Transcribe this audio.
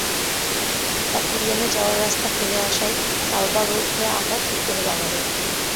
অ্যাকুরিয়ামে যাওয়ার রাস্তা ফেলে আসায় কালবা রোড হয়ে আবার ফিরতে হলো আমাদের।